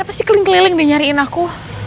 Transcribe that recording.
pasti keliling keliling dia nyariin aku